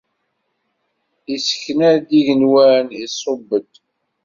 Issekna-d igenwan, iṣubb-d.